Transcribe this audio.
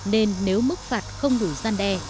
nên nếu mức phạt không đủ gian đe